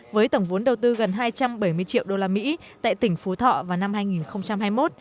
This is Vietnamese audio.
với tổng vốn đầu tư gần hai trăm bảy mươi triệu usd tại tỉnh phú thọ vào năm hai nghìn hai mươi một